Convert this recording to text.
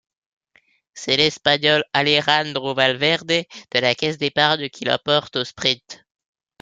C'est l'Espagnol Alejandro Valverde de la Caisse d'Épargne qui l'emporte au sprint.